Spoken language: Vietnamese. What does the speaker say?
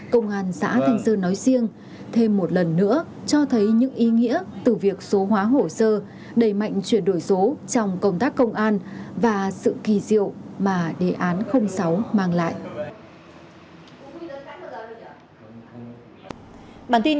công an xã thanh sơn nói riêng thêm một lần nữa cho thấy những ý nghĩa từ việc số hóa hồ sơ đẩy mạnh chuyển đổi số trong công tác công an và sự kỳ diệu mà đề án sáu mang lại